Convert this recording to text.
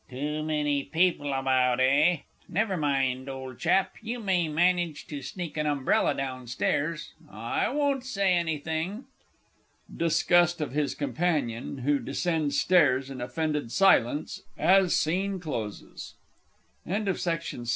Too many people about, eh? Never mind, old chap, you may manage to sneak an umbrella down stairs I won't say anything! [Disgust of his companion, who descends stairs in offended silence, as scene closes. At the Horse Show. TIME _About 3.